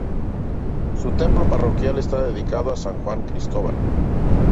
Su templo parroquial está dedicado a San Cristóbal.